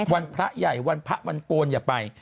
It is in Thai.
พระใหญ่วันพระวันโกนอย่าไป